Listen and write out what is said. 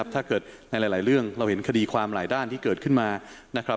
ถ้าเกิดในหลายเรื่องเราเห็นคดีความหลายด้านที่เกิดขึ้นมานะครับ